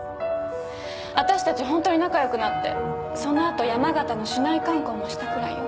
私達本当に仲良くなってその後山形の市内観光もしたくらいよ。